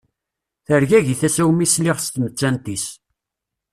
Tergagi tasa-w mi sliɣ s tmettant-is.